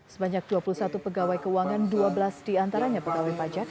sebanyak dua puluh satu pegawai keuangan dua belas diantaranya pegawai pajak